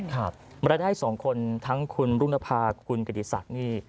ครับมาได้๒คนทั้งคุณรุ่นภาคคุณกระดิษัทนี่